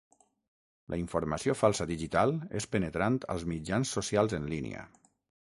La informació falsa digital és penetrant als mitjans socials en línia.